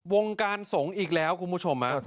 วงการสงฆ์อีกแล้วคุณผู้ชม